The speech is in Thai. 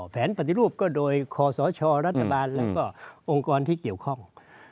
แผนปฏิรูปก็โดยคอสชรัฐบาลแล้วก็องค์กรที่เกี่ยวข้อง